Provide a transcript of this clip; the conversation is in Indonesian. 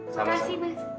terima kasih mas